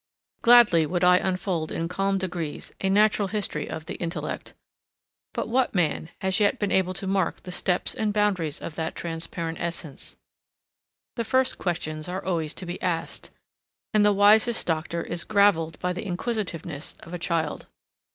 Gladly would I unfold in calm degrees a natural history of the intellect, but what man has yet been able to mark the steps and boundaries of that transparent essence? The first questions are always to be asked, and the wisest doctor is gravelled by the inquisitiveness of a child.